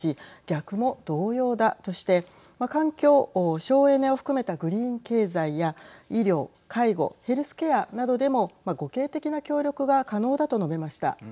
岸田総理は日本の繁栄にとって中国は不可欠だし逆も同様だとして環境、省エネを含めたグリーン経済や医療、介護、ヘルスケアなどでも互恵的な協力が可能だと述べました。